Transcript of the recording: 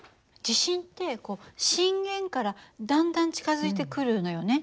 地震ってこう震源からだんだん近づいてくるのよね。